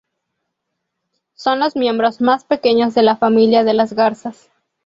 Son los miembros más pequeños de la familia de las garzas.